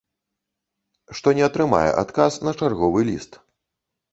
Што не атрымае адказ на чарговы ліст.